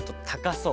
そう。